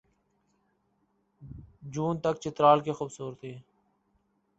جون تک چترال کی خوبصورتی